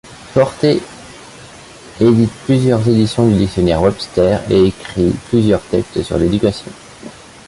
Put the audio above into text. Porter édite plusieurs éditions du dictionnaire Webster et écrit plusieurs textes sur l'éducation.